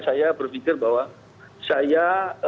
saya berpikir bahwa saya